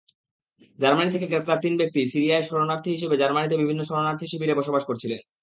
Germany থেকে গ্রেপ্তার তিন ব্যক্তিই সিরিয়ার শরণার্থী হিসেবে জার্মানিতে বিভিন্ন শরণার্থীশিবিরে বসবাস করছিলেন।